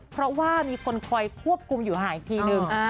เพราะว่ามีคนคอยควบคุมอยู่ห่างอีกทีนึง